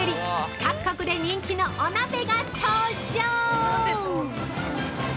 各国で人気のお鍋が登場！